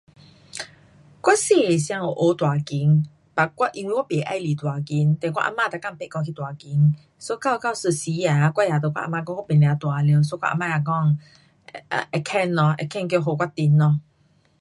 我小的时间有学弹琴，but 我因为我不喜欢弹琴，then 我啊妈每天迫我去弹琴，so 到到一时啊我也跟我阿妈讲我不要弹了。so 我阿妈讲，会肯咯，会肯去给我停咯。